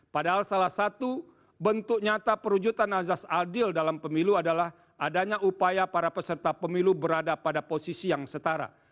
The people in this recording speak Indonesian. padahal salah satu bentuk nyata perwujudan azas adil dalam pemilu adalah adanya upaya para peserta pemilu berada pada posisi yang setara